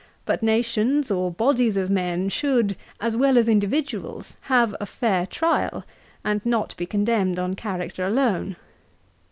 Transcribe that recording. But nations, or bodies of men, should, as well as individuals, have a fair trial, and not be condemned on character alone.